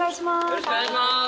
よろしくお願いします